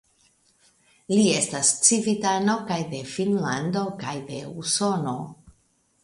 Li estas civitano kaj de Finnlando kaj de Usono.